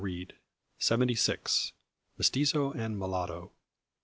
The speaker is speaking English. CHAPTER SEVENTY SIX. MESTIZO AND MULATTO.